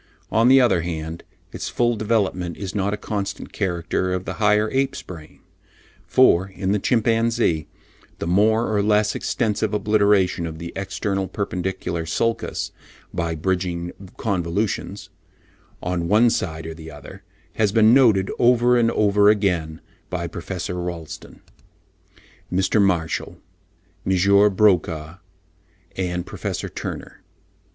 On the other hand, its full development is not a constant character of the higher ape's brain. For, in the chimpanzee, the more or less extensive obliteration of the external perpendicular sulcus by "bridging convolutions," on one side or the other, has been noted over and over again by Prof. Rolleston, Mr. Marshall, M. Broca and Professor Turner.